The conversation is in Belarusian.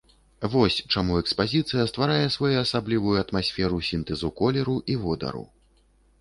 Вось чаму экспазіцыя стварае своеасаблівую атмасферу сінтэзу колеру і водару.